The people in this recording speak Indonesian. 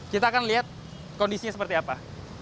kita akan lihat kondisinya seperti apa